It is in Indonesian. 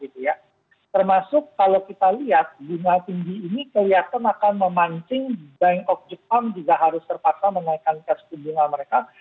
termasuk kalau kita lihat bunga tinggi ini kelihatan akan memancing bank of jepang juga harus terpaksa menaikkan suku bunga mereka